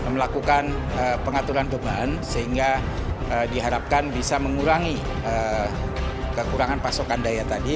melakukan pengaturan beban sehingga diharapkan bisa mengurangi kekurangan pasokan daya tadi